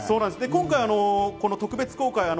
今回、特別公開。